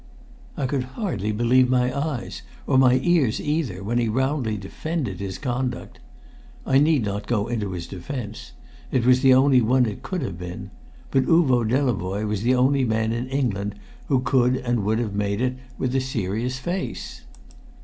I could hardly believe my eyes, or my ears either when he roundly defended his conduct. I need not go into his defence; it was the only one it could have been; but Uvo Delavoye was the only man in England who could and would have made it with a serious face.